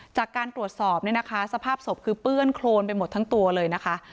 จากการตรวจสอบเนี่ยนะคะสภาพศพคือเปื้อนโครนไปหมดทั้งตัวเลยนะคะ